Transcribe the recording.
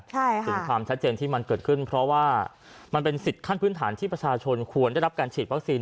ถึงความชัดเจนที่มันเกิดขึ้นเพราะว่ามันเป็นสิทธิ์ขั้นพื้นฐานที่ประชาชนควรได้รับการฉีดวัคซีน